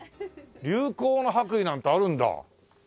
流行の白衣なんてあるんだ？